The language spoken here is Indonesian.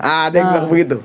ada yang bilang begitu